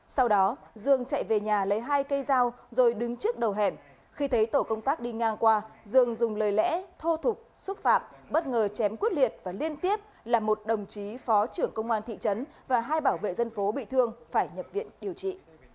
sau đó dương chạy về nhà lấy hai cây dao rồi đứng trước đầu hẻm khi thấy tổ công tác đi ngang qua dương dùng lời lẽ thô tục xúc phạm bất ngờ chém quyết liệt và liên tiếp là một đồng chí phó trưởng công an thị trấn và hai bảo vệ dân phố bị thương phải nhập viện điều trị